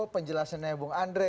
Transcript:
penjelasannya bung andre